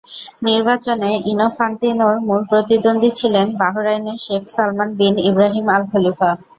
নির্বাচনে ইনফান্তিনোর মূল প্রতিদ্বন্দ্বী ছিলেন বাহরাইনের শেখ সালমান বিন ইব্রাহিম আল-খলিফা।